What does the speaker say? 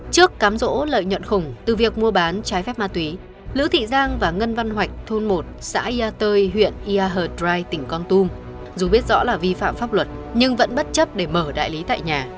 trước cám rỗ lợi nhuận khủng từ việc mua bán trái phép ma túy lữ thị giang và ngân văn hoạch thôn một xã yà tơi huyện ia hờ đrai tỉnh con tum dù biết rõ là vi phạm pháp luật nhưng vẫn bất chấp để mở đại lý tại nhà